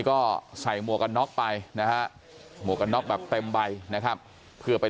ก็ใส่หมวกกันน็อกไปนะฮะหมวกกันน็อกแบบเต็มใบนะครับเพื่อไป